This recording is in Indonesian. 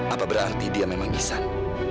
apa berarti dia memang ihsan